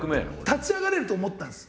立ち上がれると思ったんです。